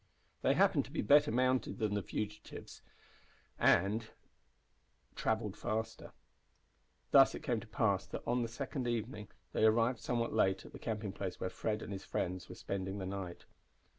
They happened to be better mounted than the fugitives, and travelled faster. Thus it came to pass that on the second evening, they arrived somewhat late at the camping place where Fred and his friends were spending the night.